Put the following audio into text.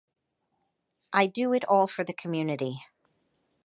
I do it all for the community.